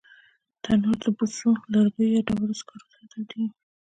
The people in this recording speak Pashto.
تنور د بوسو، لرګیو یا ډبرو سکرو سره تودېږي